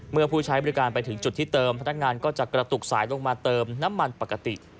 เมื่อผู้ใช้บริการไปถึงจุดที่เติมพนักงานก็จะกระตุกสายลงมาเติมน้ำมันปกติ